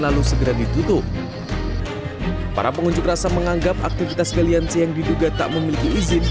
lalu segera ditutup para pengunjuk rasa menganggap aktivitas galian c yang diduga tak memiliki izin